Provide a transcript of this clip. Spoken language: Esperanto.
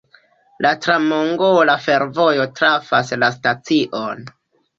La tra-mongola fervojo trafas la stacion.